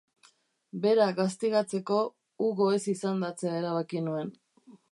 Bera gaztigatzeko, Hugo ez izendatzea erabaki nuen.